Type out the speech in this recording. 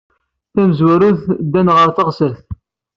Tamezwarut, ddant ɣer teɣsert.